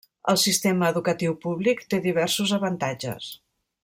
El sistema educatiu públic té diversos avantatges.